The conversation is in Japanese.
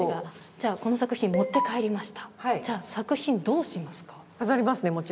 じゃあ作品どうしますか？